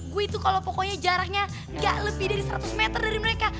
gue itu kalau pokoknya jaraknya gak lebih dari seratus meter dari mereka